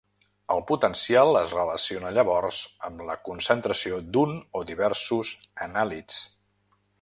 El potencial es relaciona llavors amb la concentració d'un o diversos anàlits.